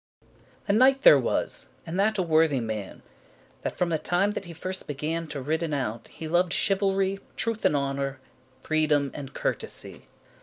A KNIGHT there was, and that a worthy man, That from the time that he first began To riden out, he loved chivalry, Truth and honour, freedom and courtesy.